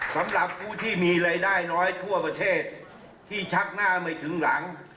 สำหรับผู้ที่มีรายได้น้อยทั่วประเทศที่ชักหน้าไม่ถึงหลัง